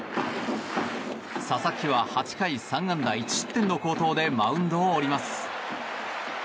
佐々木は８回３安打１失点の好投でマウンドを降ります。